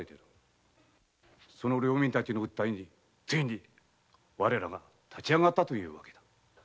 その領民たちの訴えについに我らが立ち上がったというわけだ。